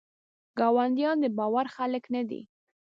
ګاونډیان دباور خلګ نه دي.